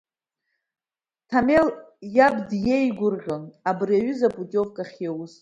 Ҭамел иаб деигәырӷьон абри аҩыза апутиовка ахьиоуз.